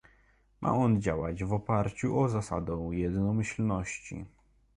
Ma on działać w oparciu o zasadę jednomyślności